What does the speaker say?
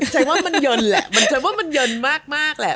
ใส่ว่ามันเยินแหละใส่ว่ามันเยินมากแหละ